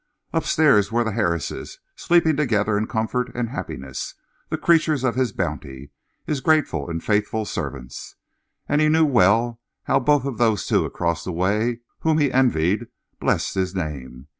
Upstairs were the Harrises, sleeping together in comfort and happiness, the creatures of his bounty, his grateful and faithful servants. And he knew well how both of those two across the way, whom he envied, blessed his name.